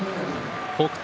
北勝